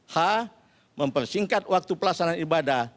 h mempersingkat waktu pelaksanaan ibadah